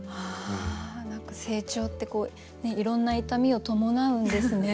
何か成長っていろんな痛みを伴うんですね。